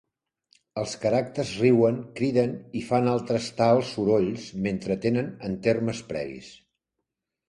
Els caràcters riuen, criden, i fan altres tals sorolls, mentre tenen en termes previs.